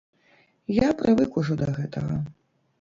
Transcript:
Я прывык ужо да гэтага.